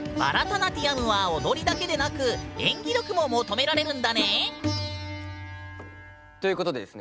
ナティヤムは踊りだけでなく演技力も求められるんだね！ということでですね